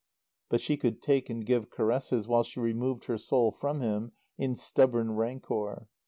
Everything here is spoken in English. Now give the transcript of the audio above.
But she could take and give caresses while she removed her soul from him in stubborn rancour.